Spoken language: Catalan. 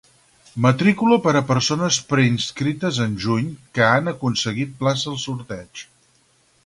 Matrícula per a persones preinscrites en juny que han aconseguit plaça al sorteig.